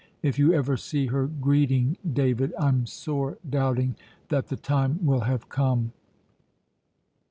If you ever see her greeting, David, I'm sore doubting that the time will have come."